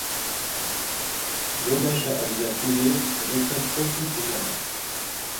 Vê beşa egzersizê divê pir kurt û tije be.